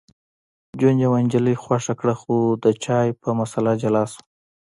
جون یوه نجلۍ خوښه کړه خو د چای په مسله جلا شول